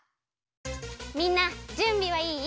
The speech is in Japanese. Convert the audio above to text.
みんなじゅんびはいい？